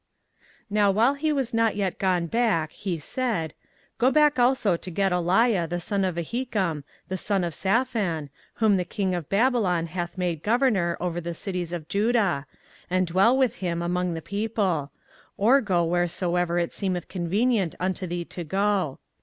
24:040:005 Now while he was not yet gone back, he said, Go back also to Gedaliah the son of Ahikam the son of Shaphan, whom the king of Babylon hath made governor over the cities of Judah, and dwell with him among the people: or go wheresoever it seemeth convenient unto thee to go.